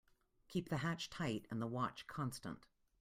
Keep the hatch tight and the watch constant.